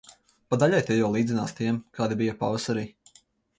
Pa daļai tie jau līdzinās tiem, kādi bija pavasarī.